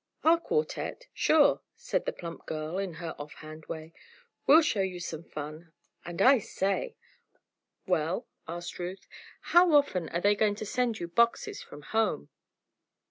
"Our quartette? Sure," said the plump girl in her off hand way. "We'll show you some fun. And I say!" "Well?" asked Ruth. "How often are they going to send you boxes from home?"